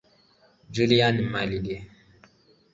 ‘Julian Marley’